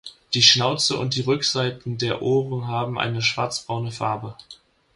Die Schnauze und die Rückseiten der Ohren haben eine schwarzbraune Farbe.